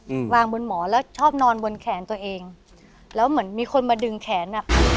อืมวางบนหมอแล้วชอบนอนบนแขนตัวเองแล้วเหมือนมีคนมาดึงแขนอ่ะ